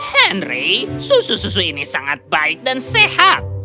henry susu susu ini sangat baik dan sehat